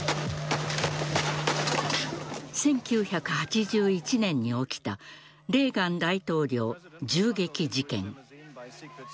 １９８１年に起きたレーガン大統領銃撃事件。